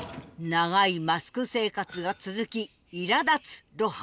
長いマスク生活が続きいらだつ露伴。